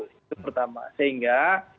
itu pertama sehingga